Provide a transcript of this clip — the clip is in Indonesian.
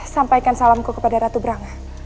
sampaikan salamku kepada ratu brangga